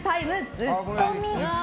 「ずっとみ」。